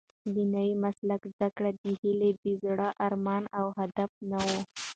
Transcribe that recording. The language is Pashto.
د نوي مسلک زده کړه د هیلې د زړه ارمان او هدف نه و.